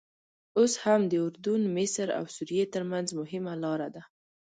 اوس هم د اردن، مصر او سوریې ترمنځ مهمه لاره ده.